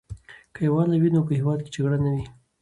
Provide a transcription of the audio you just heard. که یووالی وي نو په هېواد کې جګړه نه وي.